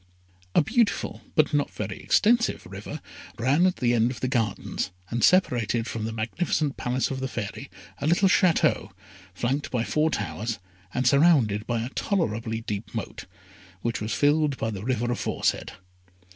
A beautiful, but not very extensive, river ran at the end of the gardens, and separated from the magnificent Palace of the Fairy a little Château, flanked by four towers, and surrounded by a tolerably deep moat, which was filled by the river aforesaid.